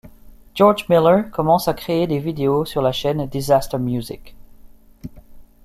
George Miller commence à créer des vidéos sur la chaîne DizastaMusic.